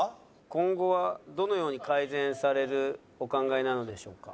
「今後はどのように改善されるお考えなのでしょうか？」。